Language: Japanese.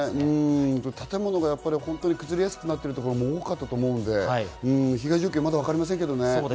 建物が崩れやすくなっているところも多かったと思うので、被害状況、まだわかりませんけどね。